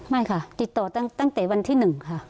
ไม่ค่ะติดต่อตั้งแต่วันที่๑ค่ะ